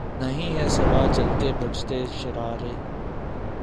نہیں ھیں سوا جلتے بجھتے شرارے